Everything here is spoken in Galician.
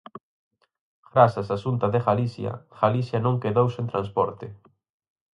Grazas á Xunta de Galicia, Galicia non quedou sen transporte.